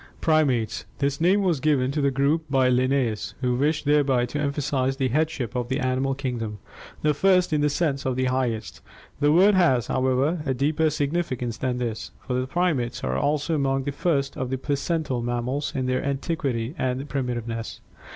PRIMATES This name was given to the group by Linnaeus, who wished thereby to emphasize the headship of the animal kingdom, the first in the sense of the highest. The word has, however, a deeper significance than this, for the primates are also among the first of the placental mammals in their antiquity and primitiveness.